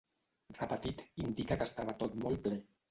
Repetit, indica que estava tot molt ple.